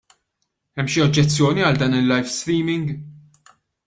Hemm xi oġġezzjoni għal dan il-live streaming?